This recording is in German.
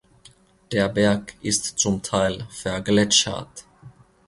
Der Berg ist zum Teil vergletschert.